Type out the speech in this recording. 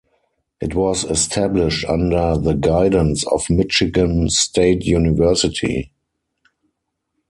It was established under the guidance of Michigan State University.